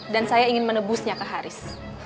dan saya ingin menebusnya ke haris